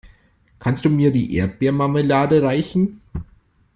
Kannst du mir die Erdbeermarmelade reichen?